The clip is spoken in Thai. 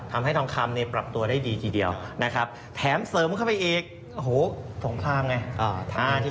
ทำให้ทองคำเนี่ยปรับตัวได้ดีทีเดียวนะครับแถมเสริมเข้าไปอีกโอ้โหสงครามไง